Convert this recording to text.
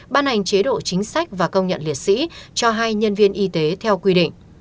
ban hành chế độ chính sách và công nhận liệt sĩ cho hai nhân viên y tế theo quy định